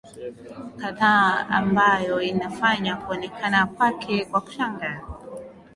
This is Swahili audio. kadhaa ambayo inafanya kuonekana kwake kwa kushangaza